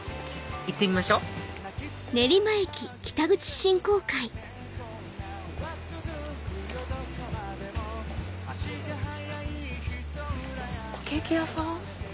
行ってみましょケーキ屋さん？